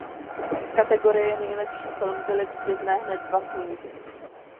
V kategorii "Nejlepší film" byly vítězné hned dva snímky.